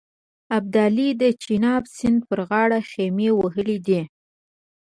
ابدالي د چیناب سیند پر غاړه خېمې وهلې دي.